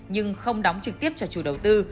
nhưng không đóng trực tiếp cho chủ đầu tư